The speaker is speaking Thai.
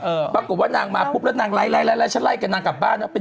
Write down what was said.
ปรากฏว่านางมาปุ๊บแล้วนางไล่ไล่ฉันไล่กับนางกลับบ้านนะ